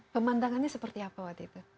pemandangannya seperti apa waktu itu